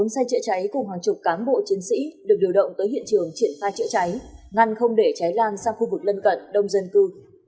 bốn xe chữa cháy cùng hàng chục cán bộ chiến sĩ được điều động tới hiện trường triển khai chữa cháy ngăn không để cháy lan sang khu vực lân cận đông dân cư